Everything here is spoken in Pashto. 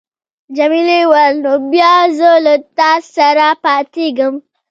جميلې وويل: نو بیا زه له تا سره پاتېږم.